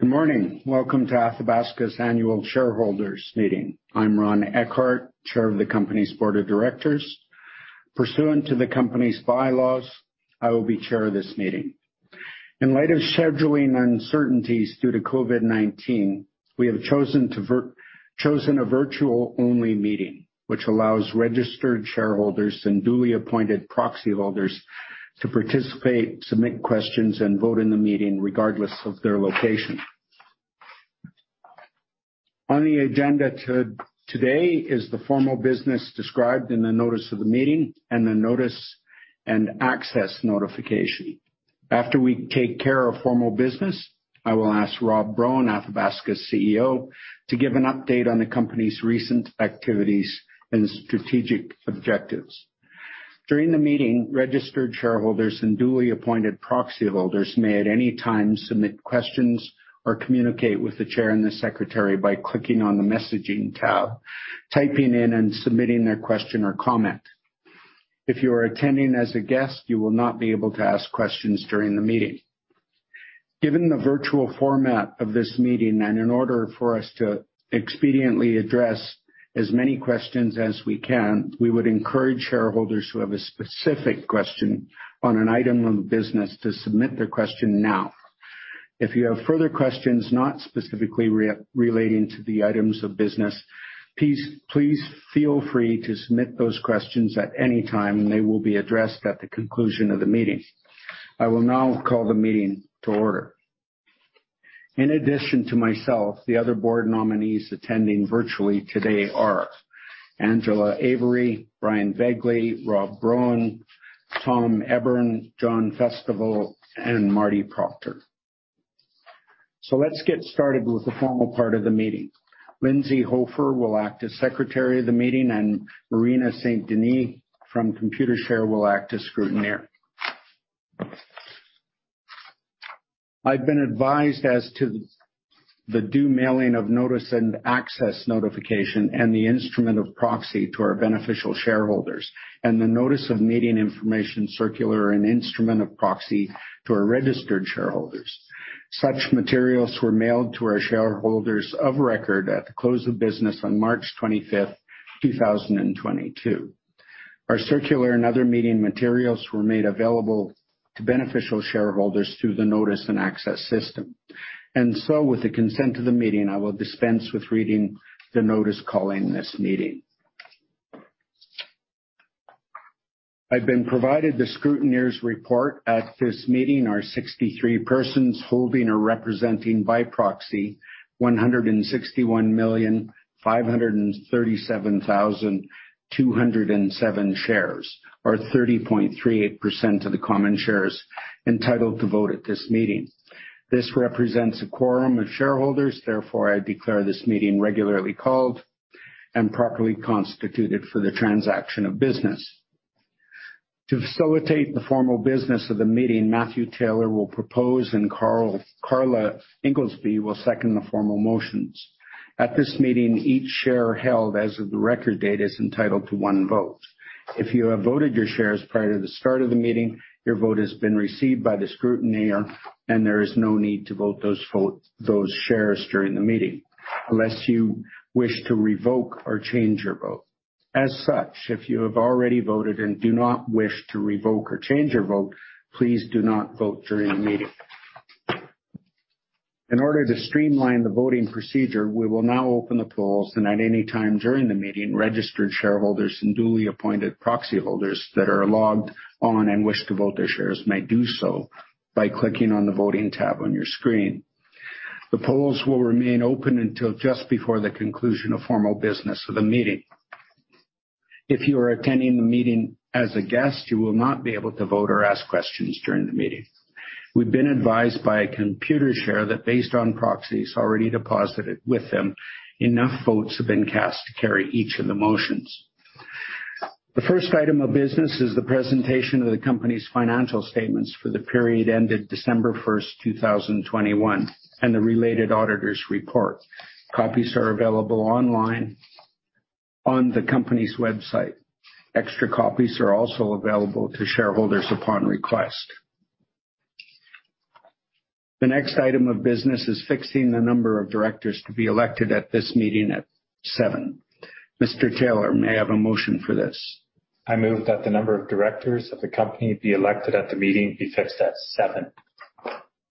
Good morning. Welcome to Athabasca's annual shareholders meeting. I'm Ronald Eckhardt, chair of the company's board of directors. Pursuant to the company's bylaws, I will be chair of this meeting. In light of scheduling uncertainties due to COVID-19, we have chosen a virtual only meeting, which allows registered shareholders and duly appointed proxy holders to participate, submit questions, and vote in the meeting regardless of their location. On the agenda today is the formal business described in the notice of the meeting and the notice and access notification. After we take care of formal business, I will ask Rob Broen, Athabasca's CEO, to give an update on the company's recent activities and strategic objectives. During the meeting, registered shareholders and duly appointed proxy holders may at any time submit questions or communicate with the chair and the secretary by clicking on the messaging tab, typing in and submitting their question or comment. If you are attending as a guest, you will not be able to ask questions during the meeting. Given the virtual format of this meeting, and in order for us to expediently address as many questions as we can, we would encourage shareholders who have a specific question on an item of business to submit their question now. If you have further questions not specifically relating to the items of business, please feel free to submit those questions at any time and they will be addressed at the conclusion of the meeting. I will now call the meeting to order. In addition to myself, the other board nominees attending virtually today are Angela Avery, Bryan Begley, Rob Broen, Tom Ebbern, John Festival, and Marty Proctor. Let's get started with the formal part of the meeting. Lindsay Hofer will act as secretary of the meeting, and Marina St. Denis from Computershare will act as scrutineer. I've been advised as to the due mailing of notice and access notification and the instrument of proxy to our beneficial shareholders, and the notice of meeting information circular and instrument of proxy to our registered shareholders. Such materials were mailed to our shareholders of record at the close of business on March 25, 2022. Our circular and other meeting materials were made available to beneficial shareholders through the notice and access system. With the consent of the meeting, I will dispense with reading the notice calling this meeting. I've been provided the scrutineer's report. At this meeting are 63 persons holding or representing by proxy 161,537,207 shares, or 30.38% of the common shares entitled to vote at this meeting. This represents a quorum of shareholders. Therefore, I declare this meeting regularly called and properly constituted for the transaction of business. To facilitate the formal business of the meeting, Matthew Taylor will propose and Karla Ingoldsby will second the formal motions. At this meeting, each share held as of the record date is entitled to one vote. If you have voted your shares prior to the start of the meeting, your vote has been received by the scrutineer and there is no need to vote those shares during the meeting, unless you wish to revoke or change your vote. As such, if you have already voted and do not wish to revoke or change your vote, please do not vote during the meeting. In order to streamline the voting procedure, we will now open the polls, and at any time during the meeting, registered shareholders and duly appointed proxy holders that are logged on and wish to vote their shares may do so by clicking on the Voting tab on your screen. The polls will remain open until just before the conclusion of formal business of the meeting. If you are attending the meeting as a guest, you will not be able to vote or ask questions during the meeting. We've been advised by Computershare that based on proxies already deposited with them, enough votes have been cast to carry each of the motions. The first item of business is the presentation of the company's financial statements for the period ended December 1, 2021, and the related auditor's report. Copies are available online on the company's website. Extra copies are also available to shareholders upon request. The next item of business is fixing the number of directors to be elected at this meeting at seven. Mr. Taylor, may I have a motion for this? I move that the number of directors of the company be elected at the meeting be fixed at seven.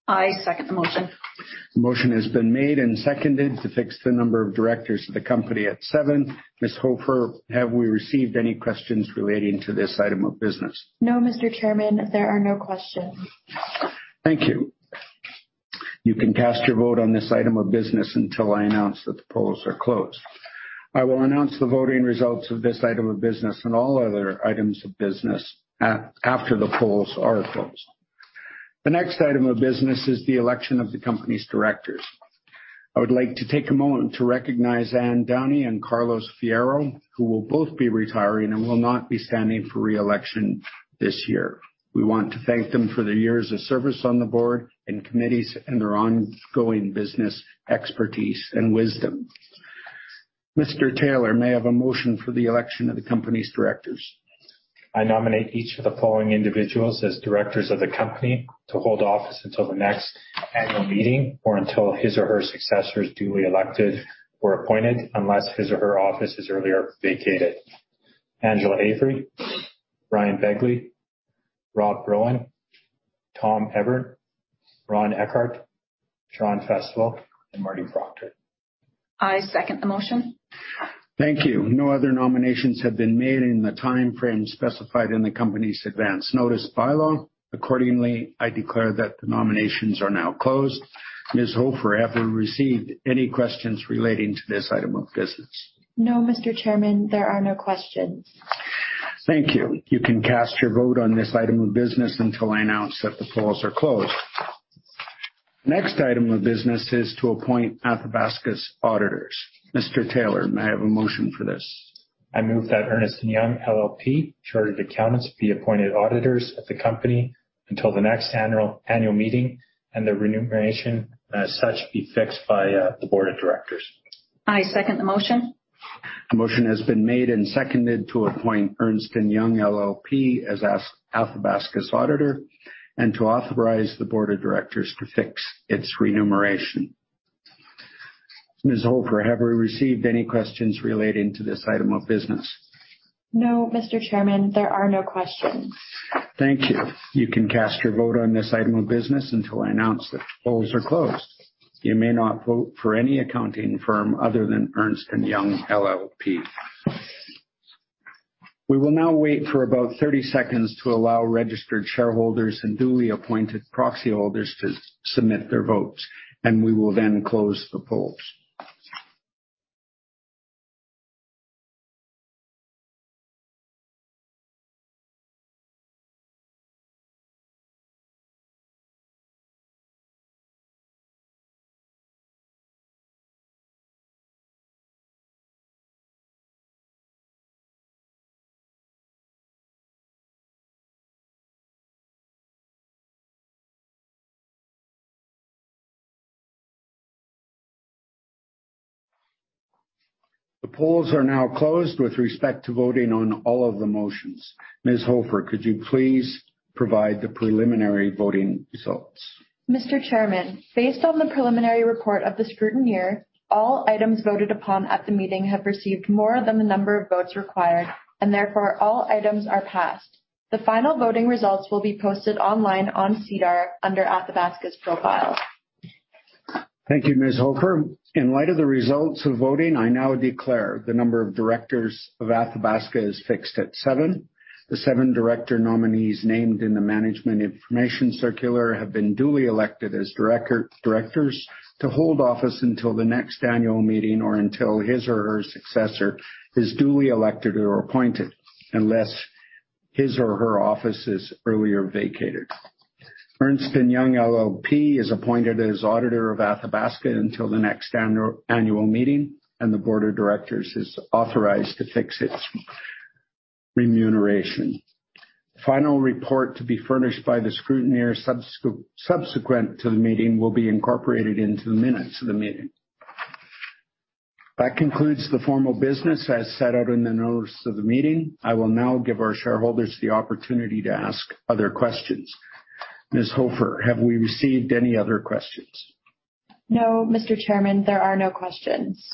I second the motion. The motion has been made and seconded to fix the number of directors of the company at seven. Ms. Hofer, have we received any questions relating to this item of business? No, Mr. Chairman, there are no questions. Thank you. You can cast your vote on this item of business until I announce that the polls are closed. I will announce the voting results of this item of business and all other items of business after the polls are closed. The next item of business is the election of the company's directors. I would like to take a moment to recognize Anne Downey and Carlos Fierro, who will both be retiring and will not be standing for re-election this year. We want to thank them for their years of service on the board and committees and their ongoing business expertise and wisdom. Mr. Taylor, may I have a motion for the election of the company's directors? I nominate each of the following individuals as directors of the company to hold office until the next annual meeting or until his or her successors duly elected or appointed, unless his or her office is earlier vacated. Angela Avery, Bryan Begley, Rob Broen, Thomas Ebbern, Ron Eckhardt, John Festival, and Marty Proctor. I second the motion. Thank you. No other nominations have been made in the timeframe specified in the company's advance notice bylaw. Accordingly, I declare that the nominations are now closed. Ms. Hofer, have we received any questions relating to this item of business? No, Mr. Chairman, there are no questions. Thank you. You can cast your vote on this item of business until I announce that the polls are closed. Next item of business is to appoint Athabasca's auditors. Mr. Taylor, may I have a motion for this? I move that Ernst & Young LLP chartered accountants be appointed auditors of the company until the next annual meeting and the remuneration as such be fixed by the board of directors. I second the motion. The motion has been made and seconded to appoint Ernst & Young LLP as Athabasca's auditor and to authorize the board of directors to fix its remuneration. Ms. Hofer, have we received any questions relating to this item of business? No, Mr. Chairman, there are no questions. Thank you. You can cast your vote on this item of business until I announce that the polls are closed. You may not vote for any accounting firm other than Ernst & Young LLP. We will now wait for about 30 seconds to allow registered shareholders and duly appointed proxy holders to submit their votes, and we will then close the polls. The polls are now closed with respect to voting on all of the motions. Ms. Hofer, could you please provide the preliminary voting results? Mr. Chairman, based on the preliminary report of the scrutineer, all items voted upon at the meeting have received more than the number of votes required, and therefore all items are passed. The final voting results will be posted online on SEDAR under Athabasca's profile. Thank you, Ms. Hofer. In light of the results of voting, I now declare the number of directors of Athabasca is fixed at seven. The seven director nominees named in the management information circular have been duly elected as directors to hold office until the next annual meeting or until his or her successor is duly elected or appointed, unless his or her office is earlier vacated. Ernst & Young LLP is appointed as auditor of Athabasca until the next annual meeting, and the board of directors is authorized to fix its remuneration. The final report to be furnished by the scrutineer subsequent to the meeting will be incorporated into the minutes of the meeting. That concludes the formal business as set out in the notice of the meeting. I will now give our shareholders the opportunity to ask other questions. Ms. Hofer, have we received any other questions? No, Mr. Chairman, there are no questions.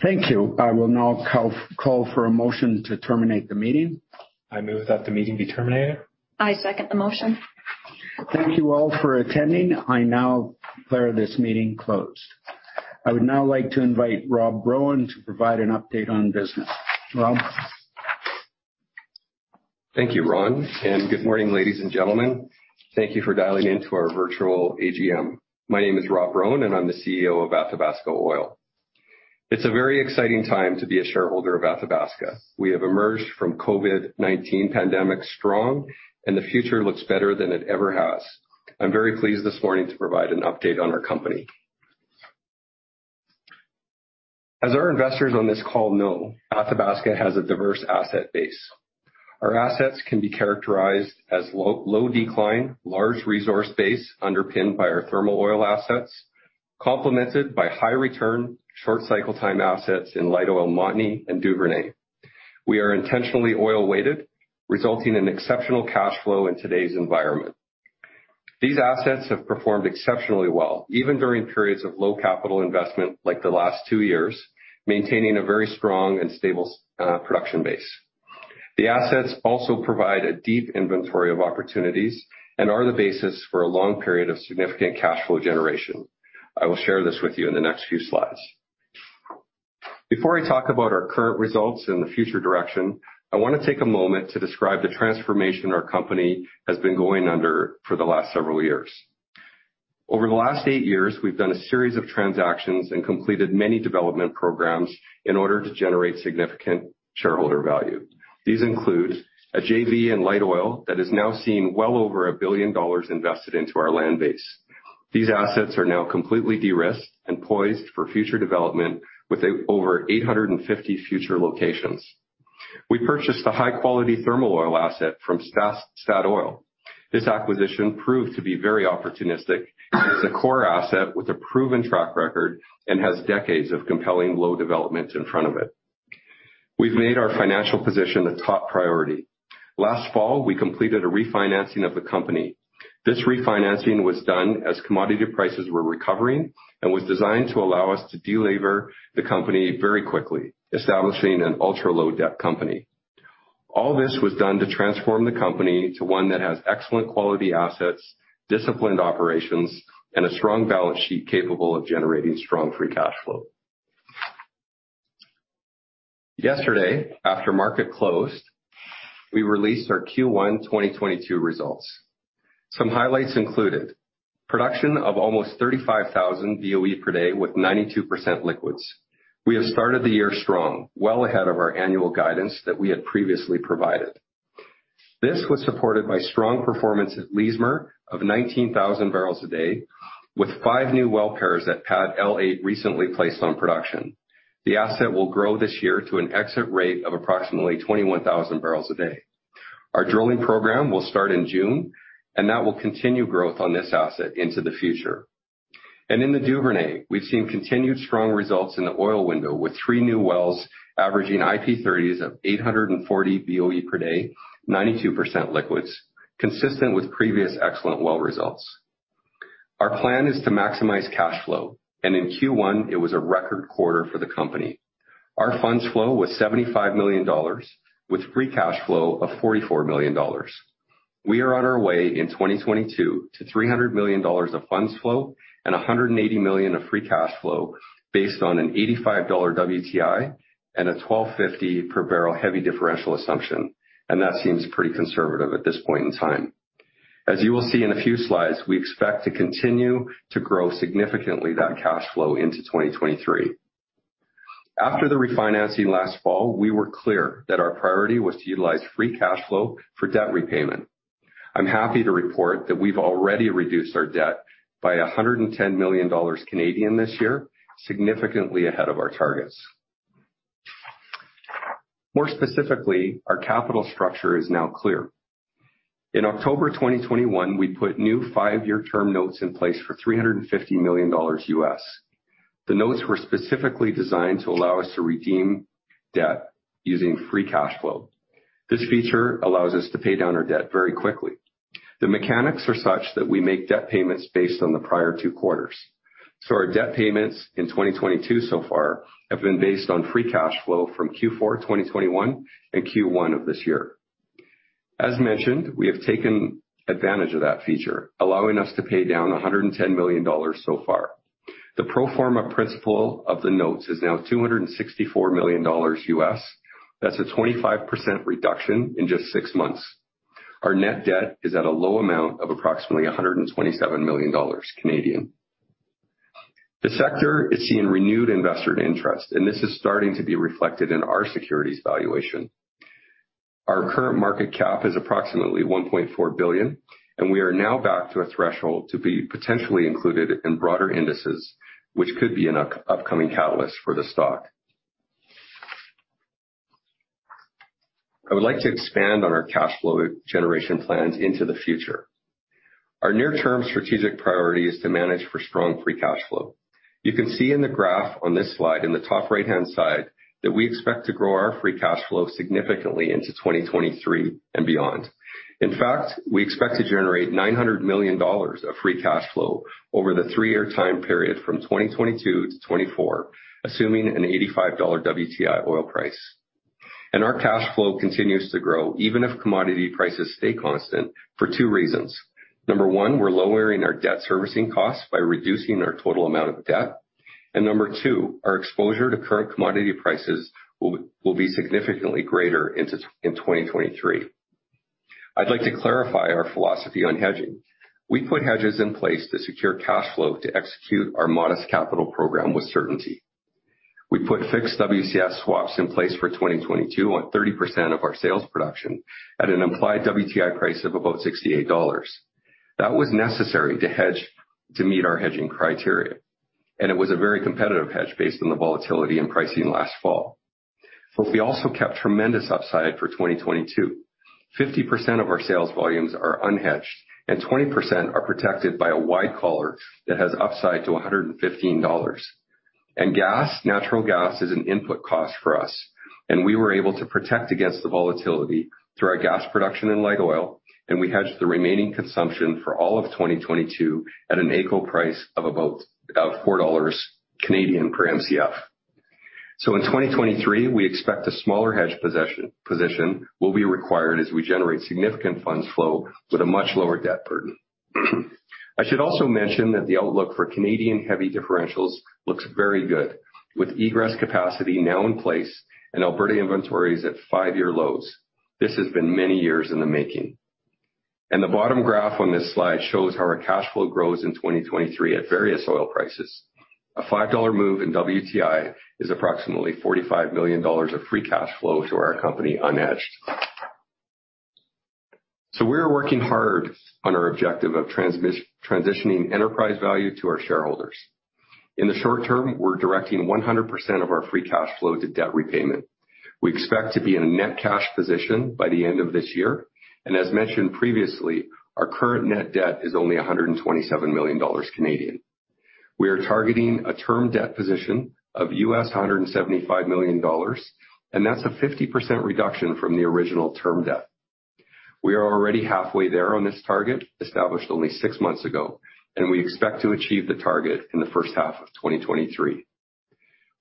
Thank you. I will now call for a motion to terminate the meeting. I move that the meeting be terminated. I second the motion. Thank you all for attending. I now declare this meeting closed. I would now like to invite Rob Broen to provide an update on business. Rob? Thank you, Ron, and good morning, ladies and gentlemen. Thank you for dialing in to our virtual AGM. My name is Rob Broen, and I'm the CEO of Athabasca Oil. It's a very exciting time to be a shareholder of Athabasca. We have emerged from COVID-19 pandemic strong, and the future looks better than it ever has. I'm very pleased this morning to provide an update on our company. As our investors on this call know, Athabasca has a diverse asset base. Our assets can be characterized as low decline, large resource base underpinned by our thermal oil assets, complemented by high return, short cycle time assets in light oil Montney and Duvernay. We are intentionally oil weighted, resulting in exceptional cash flow in today's environment. These assets have performed exceptionally well, even during periods of low capital investment like the last two years, maintaining a very strong and stable production base. The assets also provide a deep inventory of opportunities and are the basis for a long period of significant cash flow generation. I will share this with you in the next few slides. Before I talk about our current results and the future direction, I wanna take a moment to describe the transformation our company has been going under for the last several years. Over the last eight years, we've done a series of transactions and completed many development programs in order to generate significant shareholder value. These include a JV in light oil that is now seeing well over 1 billion dollars invested into our land base. These assets are now completely de-risked and poised for future development with over 850 future locations. We purchased a high quality thermal oil asset from Statoil. This acquisition proved to be very opportunistic. It's a core asset with a proven track record and has decades of compelling low-cost developments in front of it. We've made our financial position a top priority. Last fall, we completed a refinancing of the company. This refinancing was done as commodity prices were recovering and was designed to allow us to delever the company very quickly, establishing an ultra-low debt company. All this was done to transform the company to one that has excellent quality assets, disciplined operations, and a strong balance sheet capable of generating strong free cash flow. Yesterday, after market closed, we released our Q1 2022 results. Some highlights included production of almost 35,000 BOE per day with 92% liquids. We have started the year strong, well ahead of our annual guidance that we had previously provided. This was supported by strong performance at Leismer of 19,000 barrels a day with 5 new well pairs at Pad L-8 recently placed on production. The asset will grow this year to an exit rate of approximately 21,000 barrels a day. Our drilling program will start in June, and that will continue growth on this asset into the future. In the Duvernay, we've seen continued strong results in the oil window with 3 new wells averaging IP30s of 840 BOE per day, 92% liquids, consistent with previous excellent well results. Our plan is to maximize cash flow, and in Q1 it was a record quarter for the company. Our funds flow was 75 million dollars with free cash flow of 44 million dollars. We are on our way in 2022 to 300 million dollars of funds flow and 180 million of free cash flow based on an $85 WTI and a $12.50 per barrel heavy differential assumption. That seems pretty conservative at this point in time. As you will see in a few slides, we expect to continue to grow significantly that cash flow into 2023. After the refinancing last fall, we were clear that our priority was to utilize free cash flow for debt repayment. I'm happy to report that we've already reduced our debt by 110 million Canadian dollars this year, significantly ahead of our targets. More specifically, our capital structure is now clear. In October 2021, we put new five-year term notes in place for $350 million. The notes were specifically designed to allow us to redeem debt using free cash flow. This feature allows us to pay down our debt very quickly. The mechanics are such that we make debt payments based on the prior two quarters. Our debt payments in 2022 so far have been based on free cash flow from Q4 2021 and Q1 of this year. As mentioned, we have taken advantage of that feature, allowing us to pay down $110 million so far. The pro forma principal of the notes is now $264 million. That's a 25% reduction in just six months. Our net debt is at a low amount of approximately 127 million Canadian dollars. The sector is seeing renewed investor interest, and this is starting to be reflected in our securities valuation. Our current market cap is approximately 1.4 billion, and we are now back to a threshold to be potentially included in broader indices, which could be an upcoming catalyst for the stock. I would like to expand on our cash flow generation plans into the future. Our near term strategic priority is to manage for strong free cash flow. You can see in the graph on this slide in the top right-hand side that we expect to grow our free cash flow significantly into 2023 and beyond. In fact, we expect to generate 900 million dollars of free cash flow over the three-year time period from 2022 to 2024, assuming an $85 WTI oil price. Our cash flow continues to grow even if commodity prices stay constant for two reasons. Number one, we're lowering our debt servicing costs by reducing our total amount of debt. Number two, our exposure to current commodity prices will be significantly greater in 2023. I'd like to clarify our philosophy on hedging. We put hedges in place to secure cash flow to execute our modest capital program with certainty. We put fixed WCS swaps in place for 2022 on 30% of our sales production at an implied WTI price of about $68. That was necessary to hedge to meet our hedging criteria, and it was a very competitive hedge based on the volatility and pricing last fall. We also kept tremendous upside for 2022. 50% of our sales volumes are unhedged and 20% are protected by a wide collar that has upside to 115 dollars. Gas, natural gas is an input cost for us, and we were able to protect against the volatility through our gas production in light oil, and we hedged the remaining consumption for all of 2022 at an AECO price of about four dollars Canadian per MCF. In 2023, we expect a smaller hedge position will be required as we generate significant funds flow with a much lower debt burden. I should also mention that the outlook for Canadian heavy differentials looks very good with egress capacity now in place and Alberta inventories at 5-year lows. This has been many years in the making. The bottom graph on this slide shows how our cash flow grows in 2023 at various oil prices. A $5 move in WTI is approximately $45 million of free cash flow to our company unhedged. We're working hard on our objective of transitioning enterprise value to our shareholders. In the short term, we're directing 100% of our free cash flow to debt repayment. We expect to be in a net cash position by the end of this year, and as mentioned previously, our current net debt is only 127 million Canadian dollars. We are targeting a term debt position of $175 million, and that's a 50% reduction from the original term debt. We are already halfway there on this target, established only six months ago, and we expect to achieve the target in the first half of 2023.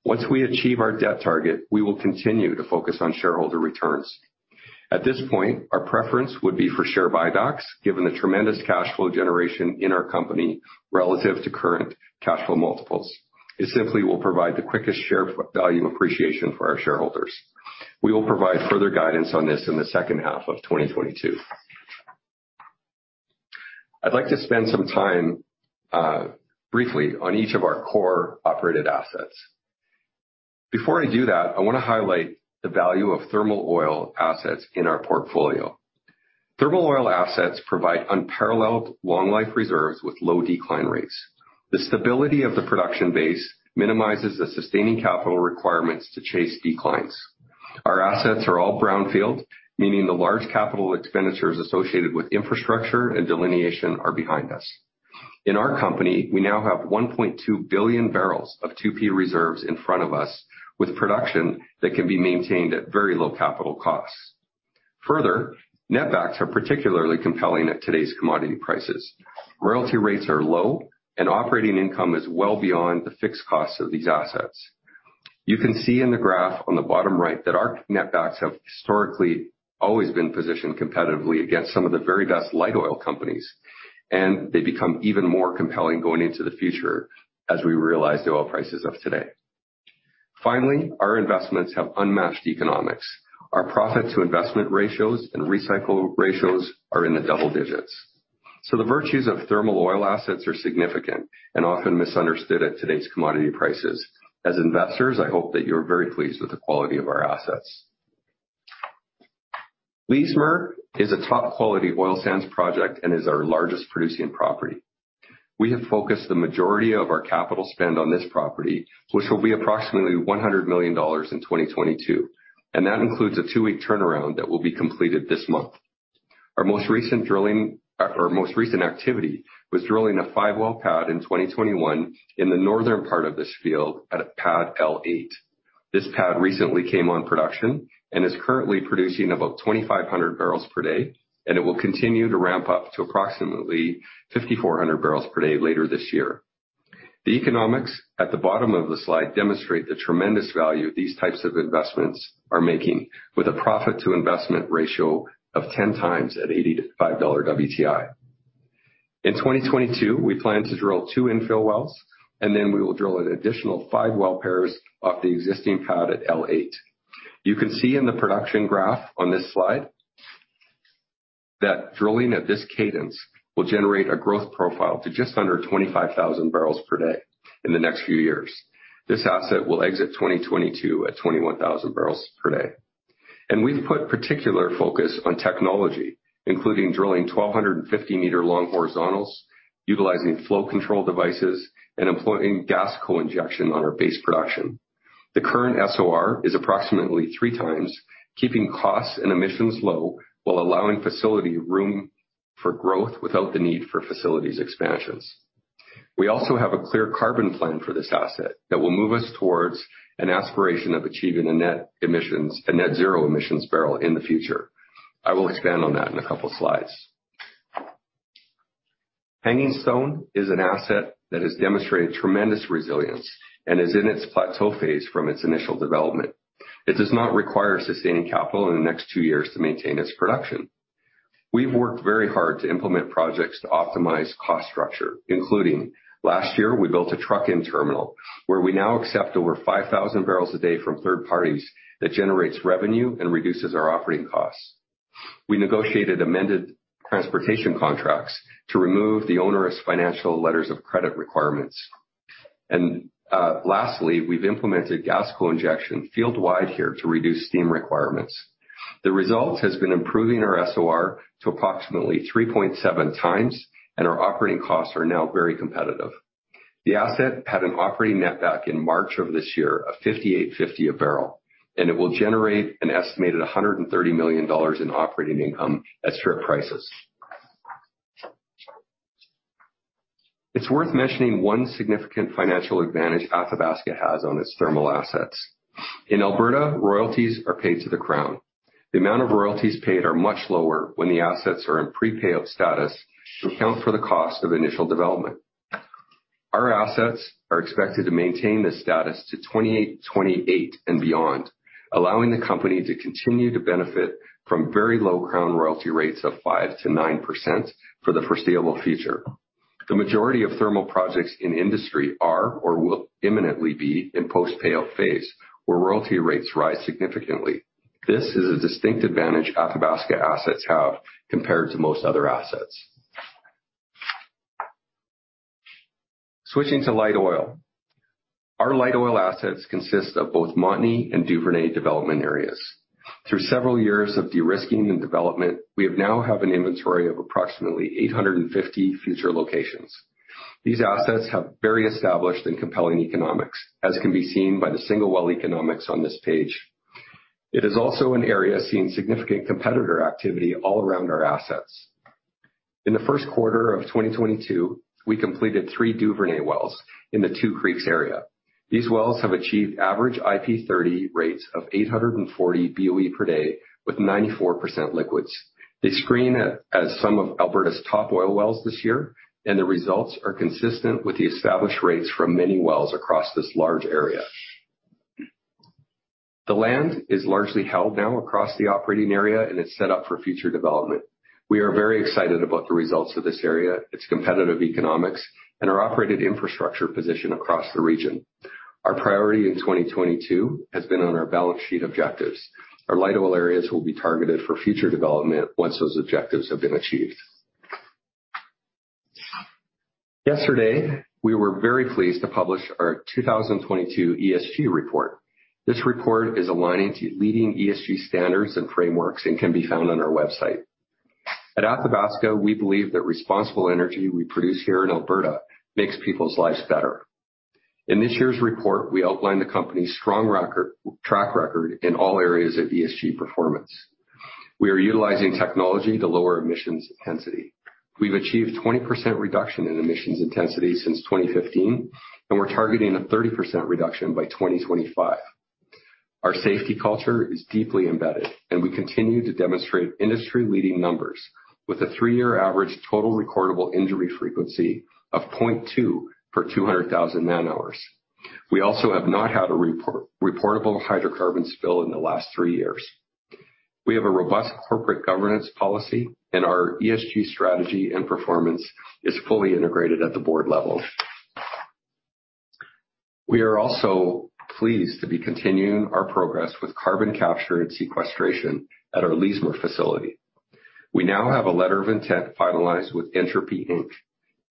Once we achieve our debt target, we will continue to focus on shareholder returns. At this point, our preference would be for share buybacks, given the tremendous cash flow generation in our company relative to current cash flow multiples. It simply will provide the quickest share value appreciation for our shareholders. We will provide further guidance on this in the second half of 2022. I'd like to spend some time, briefly on each of our core operated assets. Before I do that, I wanna highlight the value of thermal oil assets in our portfolio. Thermal oil assets provide unparalleled long life reserves with low decline rates. The stability of the production base minimizes the sustaining capital requirements to chase declines. Our assets are all brownfield, meaning the large capital expenditures associated with infrastructure and delineation are behind us. In our company, we now have 1.2 billion barrels of 2P reserves in front of us, with production that can be maintained at very low capital costs. Further, netbacks are particularly compelling at today's commodity prices. Royalty rates are low, and operating income is well beyond the fixed costs of these assets. You can see in the graph on the bottom right that our netbacks have historically always been positioned competitively against some of the very best light oil companies, and they become even more compelling going into the future as we realize the oil prices of today. Finally, our investments have unmatched economics. Our profit to investment ratios and recycle ratios are in the double digits. The virtues of thermal oil assets are significant and often misunderstood at today's commodity prices. As investors, I hope that you're very pleased with the quality of our assets. Leismer is a top-quality oil sands project and is our largest producing property. We have focused the majority of our capital spend on this property, which will be approximately 100 million dollars in 2022, and that includes a two-week turnaround that will be completed this month. Our most recent activity was drilling a five-well pad in 2021 in the northern part of this field at pad L8. This pad recently came on production and is currently producing about 2,500 barrels per day, and it will continue to ramp up to approximately 5,400 barrels per day later this year. The economics at the bottom of the slide demonstrate the tremendous value these types of investments are making with a profit to investment ratio of 10x at $85 WTI. In 2022, we plan to drill 2 infill wells, and then we will drill an additional 5 well pairs off the existing pad at Leismer. You can see in the production graph on this slide that drilling at this cadence will generate a growth profile to just under 25,000 barrels per day in the next few years. This asset will exit 2022 at 21,000 barrels per day. We've put particular focus on technology, including drilling 1,250-meter long horizontals, utilizing flow control devices, and employing gas co-injection on our base production. The current SOR is approximately 3 times, keeping costs and emissions low while allowing facility room for growth without the need for facilities expansions. We also have a clear carbon plan for this asset that will move us towards an aspiration of achieving a net zero emissions barrel in the future. I will expand on that in a couple slides. Hangingstone is an asset that has demonstrated tremendous resilience and is in its plateau phase from its initial development. It does not require sustaining capital in the next two years to maintain its production. We've worked very hard to implement projects to optimize cost structure, including last year, we built a truck-in terminal, where we now accept over 5,000 barrels a day from third parties that generates revenue and reduces our operating costs. We negotiated amended transportation contracts to remove the onerous financial letters of credit requirements. Lastly, we've implemented gas co-injection field-wide here to reduce steam requirements. The result has been improving our SOR to approximately 3.7x, and our operating costs are now very competitive. The asset had an operating netback in March of this year of 58.50 a barrel, and it will generate an estimated 130 million dollars in operating income at strip prices. It's worth mentioning one significant financial advantage Athabasca has on its thermal assets. In Alberta, royalties are paid to the Crown. The amount of royalties paid are much lower when the assets are in pre-payout status to account for the cost of initial development. Our assets are expected to maintain this status to 2018-2028 and beyond, allowing the company to continue to benefit from very low Crown royalty rates of 5% to 9% for the foreseeable future. The majority of thermal projects in industry are or will imminently be in post-payout phase, where royalty rates rise significantly. This is a distinct advantage Athabasca assets have compared to most other assets. Switching to light oil. Our light oil assets consist of both Montney and Duvernay development areas. Through several years of de-risking and development, we now have an inventory of approximately 850 future locations. These assets have very established and compelling economics, as can be seen by the single well economics on this page. It is also an area seeing significant competitor activity all around our assets. In the first quarter of 2022, we completed three Duvernay wells in the Two Creeks area. These wells have achieved average IP30 rates of 840 BOE per day with 94% liquids. They screen as some of Alberta's top oil wells this year, and the results are consistent with the established rates from many wells across this large area. The land is largely held now across the operating area, and it's set up for future development. We are very excited about the results of this area, its competitive economics, and our operated infrastructure position across the region. Our priority in 2022 has been on our balance sheet objectives. Our light oil areas will be targeted for future development once those objectives have been achieved. Yesterday, we were very pleased to publish our 2022 ESG report. This report is aligning to leading ESG standards and frameworks and can be found on our website. At Athabasca, we believe that responsible energy we produce here in Alberta makes people's lives better. In this year's report, we outlined the company's strong track record in all areas of ESG performance. We are utilizing technology to lower emissions intensity. We've achieved 20% reduction in emissions intensity since 2015, and we're targeting a 30% reduction by 2025. Our safety culture is deeply embedded, and we continue to demonstrate industry-leading numbers with a three-year average total recordable injury frequency of 0.2 per 200,000 man-hours. We also have not had a reportable hydrocarbon spill in the last three years. We have a robust corporate governance policy, and our ESG strategy and performance is fully integrated at the board level. We are also pleased to be continuing our progress with carbon capture and sequestration at our Leismer facility. We now have a letter of intent finalized with Entropy Inc.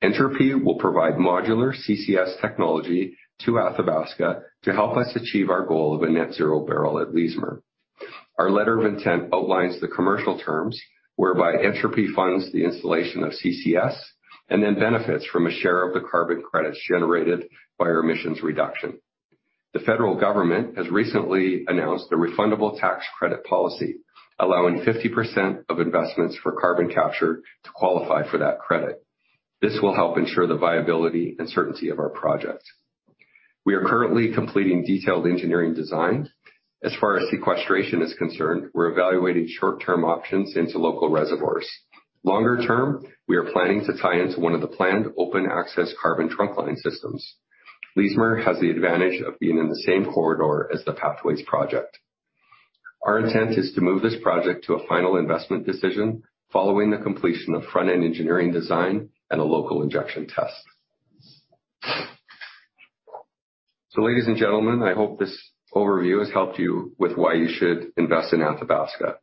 Entropy will provide modular CCS technology to Athabasca to help us achieve our goal of a net zero barrel at Leismer. Our letter of intent outlines the commercial terms whereby Entropy funds the installation of CCS and then benefits from a share of the carbon credits generated by our emissions reduction. The federal government has recently announced a refundable tax credit policy, allowing 50% of investments for carbon capture to qualify for that credit. This will help ensure the viability and certainty of our projects. We are currently completing detailed engineering design. As far as sequestration is concerned, we're evaluating short-term options into local reservoirs. Longer term, we are planning to tie into one of the planned open access carbon trunk line systems. Leismer has the advantage of being in the same corridor as the Pathways project. Our intent is to move this project to a final investment decision following the completion of front-end engineering design and a local injection test. Ladies and gentlemen, I hope this overview has helped you with why you should invest in Athabasca.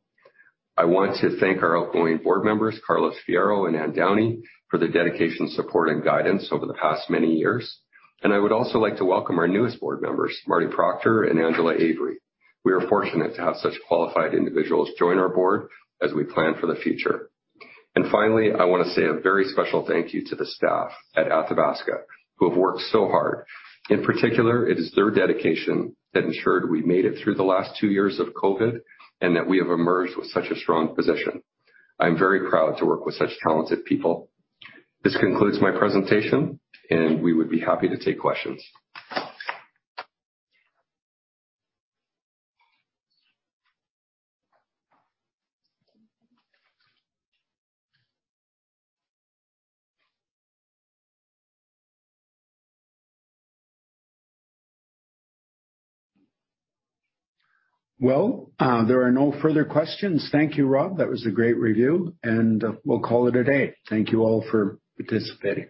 I want to thank our outgoing board members, Carlos Fierro and Anne Downey, for their dedication, support, and guidance over the past many years. I would also like to welcome our newest board members, Marty Proctor and Angela Avery. We are fortunate to have such qualified individuals join our board as we plan for the future. Finally, I want to say a very special thank you to the staff at Athabasca, who have worked so hard. In particular, it is their dedication that ensured we made it through the last two years of COVID and that we have emerged with such a strong position. I'm very proud to work with such talented people. This concludes my presentation, and we would be happy to take questions. Well, there are no further questions. Thank you, Rob. That was a great review, and we'll call it a day. Thank you all for participating.